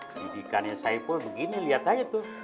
didikannya saipo begini lihat aja tuh